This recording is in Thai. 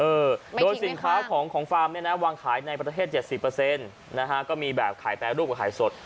เออโดยสินค้าของฟาร์มเนี่ยนะวางขายในประเทศ๗๐นะฮะก็มีแบบขายแปรรูปกับไข่สด